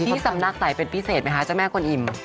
เขาสำนักใสเป็นพิเศษไหมคะเจ้าแม่กลอิ่ม